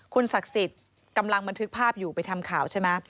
คุณศักดิ์สิทธิ์กำลังบันทึกภาพอยู่ไปทำข่าวใช่ไหม